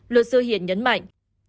luật sư hiền nhấn mạnh